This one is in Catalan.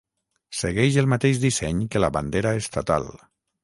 Segueix el mateix disseny que la bandera estatal.